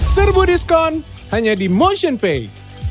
serbu diskon hanya di motionpay